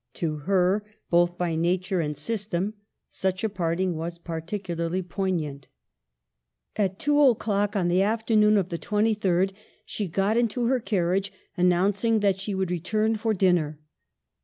To her, both by nature and system, such a parting was particularly poignant. At 2 o'clock on the afternoon of the 23rd, she got into her carriage, announcing that she would return for dinner.